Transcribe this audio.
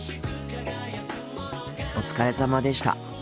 お疲れさまでした。